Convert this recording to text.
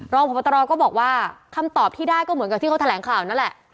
รองพบตรก็บอกว่าคำตอบที่ได้ก็เหมือนกับที่เขาแถลงข่าวนั่นแหละ